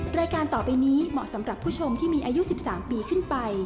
รายการต่อไปนี้เหมาะสำหรับผู้ชมที่มีอายุ๑๓ปีขึ้นไป